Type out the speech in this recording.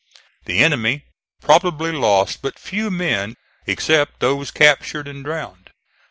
The enemy probably lost but few men except those captured and drowned.